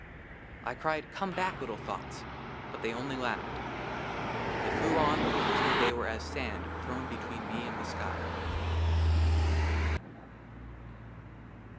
I CRIED, " COME BACK, LITTLE THOUGHTS !" BUT THEY ONLY LAUGHED. THEY FLEW ON UNTIL THEY WERE AS SAND THROWN BETWEEN ME AND THE SKY.